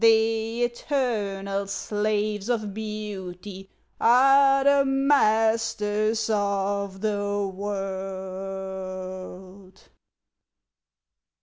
The eternal slaves of beauty Are the masters of the world.